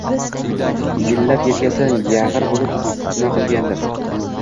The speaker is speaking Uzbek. Yillab yelkasi yag'ir bo'lib bino qilgandir